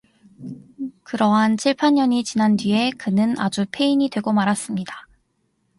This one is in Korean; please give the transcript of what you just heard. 그러한 칠팔 년이 지난 뒤에 그는 아주 폐인이 되고 말았습니다.